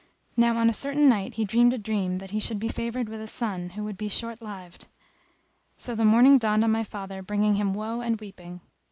Now on a certain night he dreamed a dream that he should be favoured with a son, who would be short lived; so the morning dawned on my father bringing him woe and weeping.